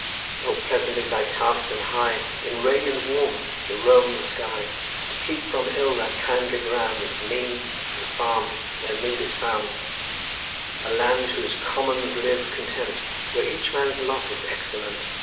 "O, pleasant is thy task and high In radiant warmth to roam the sky, To keep from ill that kindly ground, Its meads and farms, where mead is found, A land whose commons live content, Where each man's lot is excellent.